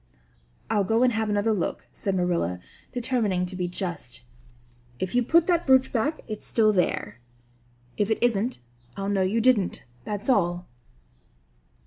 "I'll go and have another look," said Marilla, determining to be just. "If you put that brooch back it's there still. If it isn't I'll know you didn't, that's all!"